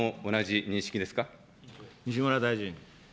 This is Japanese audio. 西村大臣。